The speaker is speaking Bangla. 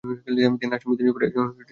তিনি আসাম বিধানসভার একজন সদস্য ছিলেন।